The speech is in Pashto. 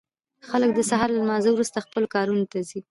خلک د سهار له لمانځه وروسته خپلو کارونو ته ځي.